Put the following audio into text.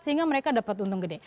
sehingga mereka dapat untung gede